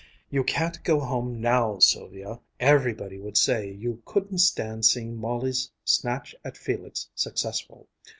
"You can't go home now, Sylvia everybody would say you couldn't stand seeing Molly's snatch at Felix successful.